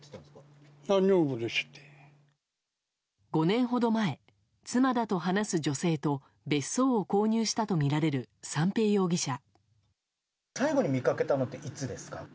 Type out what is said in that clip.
５年ほど前、妻だと話す女性と別荘を購入したとみられる三瓶容疑者。